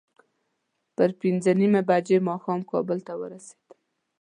پر پینځه نیمې بجې ماښام کابل ته ورسېدم.